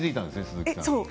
鈴木さん。